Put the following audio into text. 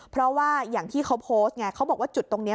เพราะว่าอย่างที่เขาโพสต์ไงเขาบอกว่าจุดตรงนี้